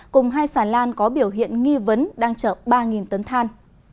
cùng hai sản lan có biểu hiện nghi vấn đang chở ba tấn than